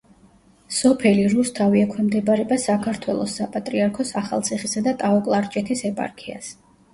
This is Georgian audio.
სოფელი რუსთავი ექვემდებარება საქართველოს საპატრიარქოს ახალციხისა და ტაო-კლარჯეთის ეპარქიას.